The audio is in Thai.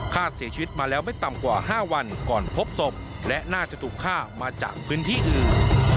เสียชีวิตมาแล้วไม่ต่ำกว่า๕วันก่อนพบศพและน่าจะถูกฆ่ามาจากพื้นที่อื่น